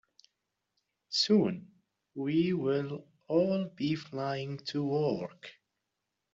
Soon, we will all be flying to work.